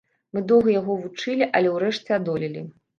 Мы доўга яго вучылі, але ўрэшце адолелі.